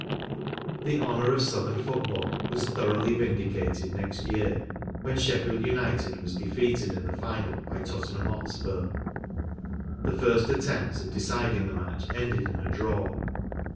The honour of Southern football was thoroughly vindicated next year, when Shef¬ field United was defeated in the final by 'rotten ham Hotspur, The first attempt at deciding the match ended in a drasv.